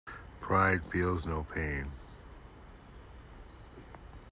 Pride feels no pain.